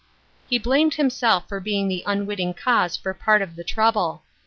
He blamed himself for being the unwitting cause of part of the trouble.